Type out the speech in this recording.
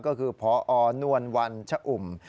ก็คือพอนวลวันชะอุ่ม